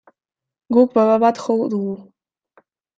Guk baba bat jo dugu.